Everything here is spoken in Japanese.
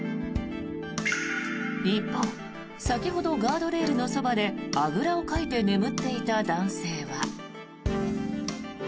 一方、先ほどガードレールのそばであぐらをかいて眠っていた男性は。